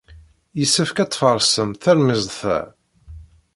Yessefk ad tfaṛsemt talemmiẓt-a.